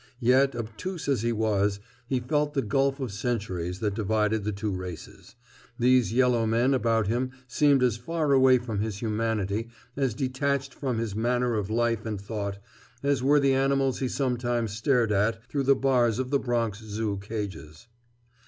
Yet, obtuse as he was, he felt the gulf of centuries that divided the two races. These yellow men about him seemed as far away from his humanity, as detached from his manner of life and thought, as were the animals he sometimes stared at through the bars of the Bronx Zoo cages.